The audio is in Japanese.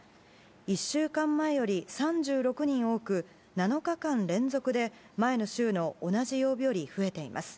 １週間前より３６人多く７日間連続で前の週の同じ曜日より増えています。